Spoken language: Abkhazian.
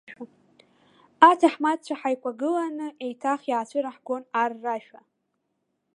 Аҭаҳмадцәа ҳаикәагыланы еиҭах иаацәыраагон ар рашәа.